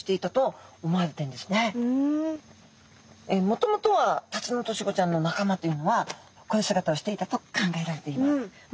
もともとはタツノオトシゴちゃんの仲間というのはこういう姿をしていたと考えられています。